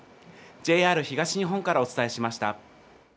ＪＲ東日本からお伝えしました。